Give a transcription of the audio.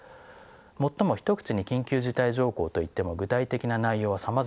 最も一口に緊急事態条項といっても具体的な内容はさまざまです。